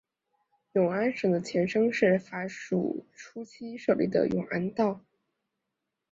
永安省的前身是法属初期设立的永安道。